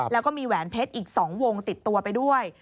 แล้วก็มีแหวนเพชรอีก๒วงติดตัวไปด้วย